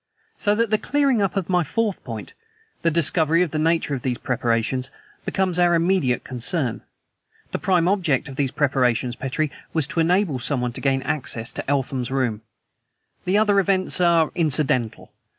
"So that the clearing up of my fourth point id est, the discovery of the nature of these preparations becomes our immediate concern. The prime object of these preparations, Petrie, was to enable someone to gain access to Eltham's room. The other events are incidental.